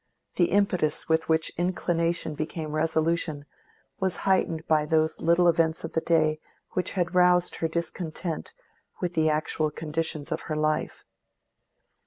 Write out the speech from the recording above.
The impetus with which inclination became resolution was heightened by those little events of the day which had roused her discontent with the actual conditions of her life.